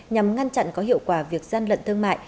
nhằm ngăn chặn có hiệu quả việc gian lận thương mại